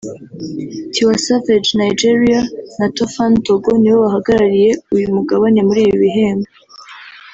Tiwa Savage (Nigeria) na Toofan (Togo) nibo bahagarariye uyu mugabane muri ibi bihembo